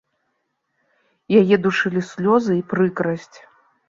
Яе душылі слёзы і прыкрасць.